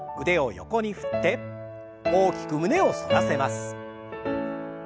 腕を横に振って大きく胸を反らせます。